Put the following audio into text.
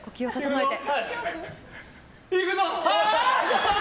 いくぞ！